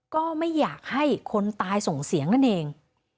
ก็ไม่อยากให้คนตายส่งเสียงนั่นเอง